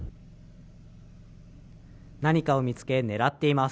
何かを見つけ、狙っています。